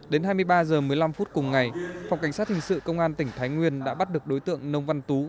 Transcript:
đến hai mươi ba h một mươi năm phút cùng ngày phòng cảnh sát hình sự công an tỉnh thái nguyên đã bắt được đối tượng nông văn tú